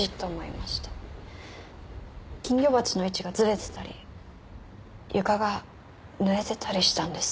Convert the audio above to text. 金魚鉢の位置がずれてたり床がぬれてたりしたんです。